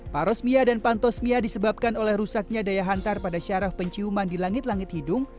parosmia dan pantosmia disebabkan oleh rusaknya daya hantar pada syaraf penciuman di langit langit hidung